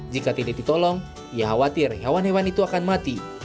jika tidak ditolong ia khawatir hewan hewan itu akan mati